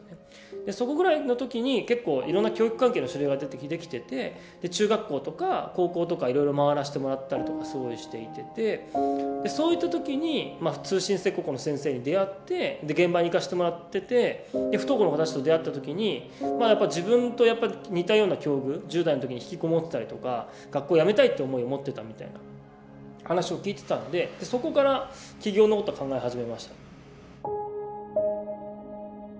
でそこぐらいの時に結構いろんな教育関係の知り合いができてて中学校とか高校とかいろいろ回らしてもらったりとかしていててそういった時に通信制高校の先生に出会ってで現場に行かしてもらってて不登校の子たちと出会った時に自分とやっぱり似たような境遇１０代の時に引きこもってたりとか学校やめたいって思いを持ってたみたいな話を聞いてたんでそこから起業のことは考え始めましたね。